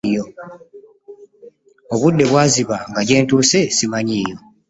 Obudde bwaziba nga gye ntuuse simanyiiyo.